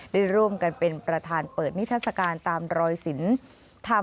ได้ร่วมกันเป็นประธานเปิดนิทัศกาลตามรอยศิลป์ธรรม